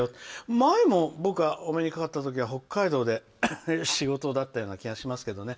前も僕がお目にかかった時は北海道で仕事だったような気がしますけどね。